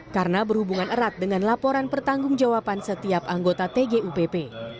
karena berhubungan erat dengan laporan pertanggung jawaban setiap anggota tgupp